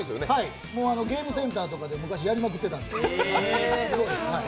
ゲームセンターとかで昔やりまくっていたので。